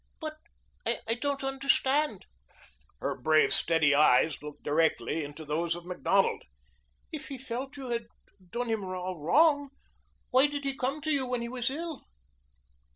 "But I don't understand." Her brave, steady eyes looked directly into those of Macdonald. "If he felt you had done him a wrong why did he come to you when he was ill?"